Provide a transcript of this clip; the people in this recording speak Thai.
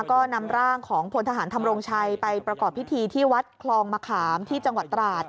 ก็นำร่างของพลทหารทำรงชัยไปประกอบพิธีที่วัดคลองมะขามที่จังหวัดตราด